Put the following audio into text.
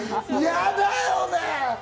嫌だよね。